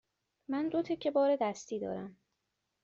من دو تکه بار دستی دارم.